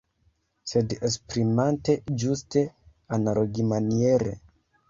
Sed esprimante ĝuste analogimaniere.